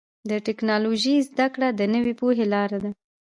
د ټکنالوجۍ زدهکړه د نوې پوهې لاره ده.